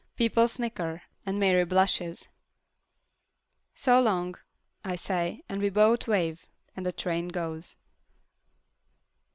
People snicker, and Mary blushes. "So long," I say, and we both wave, and the train goes.